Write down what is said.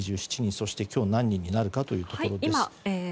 そして今日、何人になるかというところです。